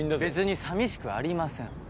別にさみしくありません。